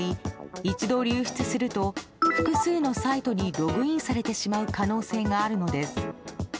一度、流出すると複数のサイトにログインされてしまう可能性があるのです。